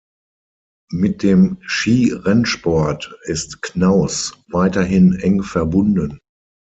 Mit dem Skirennsport ist Knauß weiterhin eng verbunden.